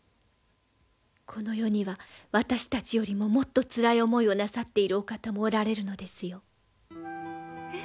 この世には私たちよりももっとつらい思いをなさっているお方もおられるのですよ。え？